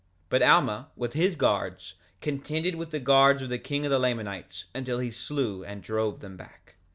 2:33 But Alma, with his guards, contended with the guards of the king of the Lamanites until he slew and drove them back.